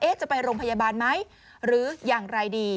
เอ๊ะจะไปโรงพยาบาลไหมหรือยังไงดี